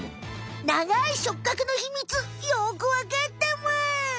長い触角のひみつよくわかったむ。